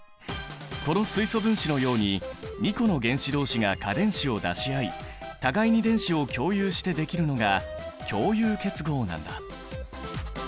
この水素分子のように２個の原子同士が価電子を出し合い互いに電子を共有してできるのが共有結合なんだ。